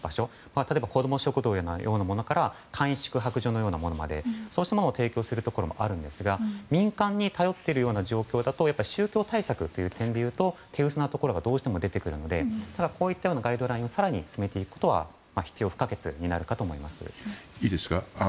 例えば子ども食堂のようなものや簡易宿泊所のようなものまでそうしたものを提供するところもありますが民間に頼ると宗教対策では手薄なところがどうしても出てくるのでこういったようなガイドラインを更に進めていくことは必要不可欠になるかと思います。